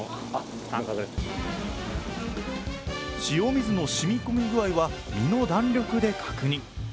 塩水のしみ込み具合は身の弾力で確認。